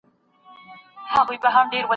پاچاهي دي مبارک وي د ازغو منځ کي ګلاب ته